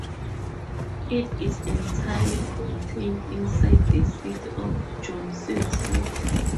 It is entirely contained inside the city of Johnson City.